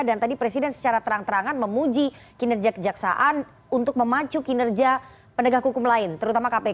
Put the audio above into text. dan tadi presiden secara terang terangan memuji kinerja kejaksaan untuk memacu kinerja penegak hukum lain terutama kpk